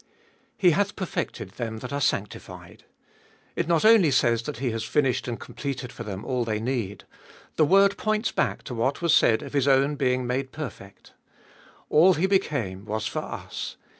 He hath perfected them that are sanctified. It not only says that He has finished and completed for them all they need. The word points back to what was said of His own being made perfect. All He became was for us.